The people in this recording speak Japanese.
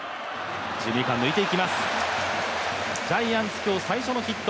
ジャイアンツ、今日最初のヒット